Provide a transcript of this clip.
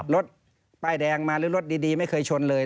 รถป้ายแดงมาหรือรถดีไม่เคยชนเลย